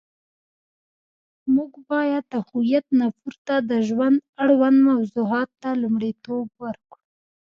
موږ باید د هویت نه پورته د ژوند اړوند موضوعاتو ته لومړیتوب ورکړو.